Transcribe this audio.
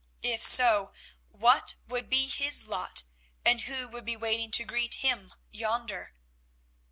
If so, what would be his lot, and who would be waiting to greet him yonder?